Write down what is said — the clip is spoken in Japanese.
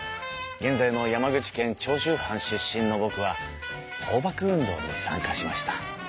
現在の山口県長州藩出身のぼくは倒幕運動に参加しました。